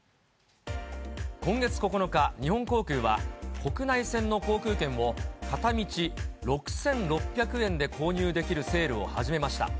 今月９日、日本航空は、国内線の航空券を片道６６００円で購入できるセールを始めました。